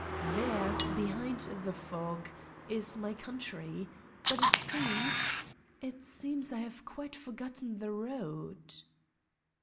There, behind the fog, is my coun try, but it seems it seems I have quite forgotten the road.